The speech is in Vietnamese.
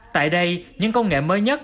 tại đây những công nghệ mới nhất